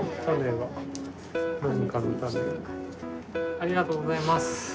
ありがとうございます。